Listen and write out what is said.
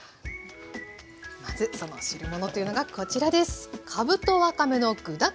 まずその汁物というのがこちらです。